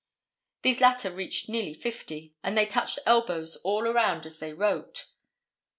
These latter reached nearly fifty, and they touched elbows all around as they wrote.